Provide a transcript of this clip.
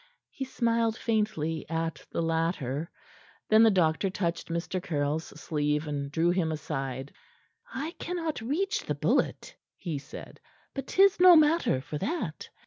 He smiled faintly at the latter. Then the doctor touched Mr. Caryll's sleeve, and drew him aside. "I cannot reach the bullet," he said. "But 'tis no matter for that."